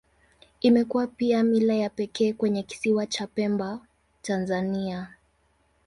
Imekuwa pia mila ya pekee kwenye Kisiwa cha Pemba, Tanzania.